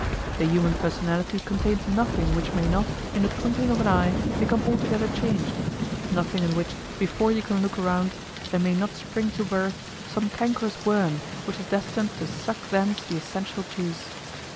The human personality contains nothing which may not, in the twinkling of an eye, become altogether changed nothing in which, before you can look round, there may not spring to birth some cankerous worm which is destined to suck thence the essential juice.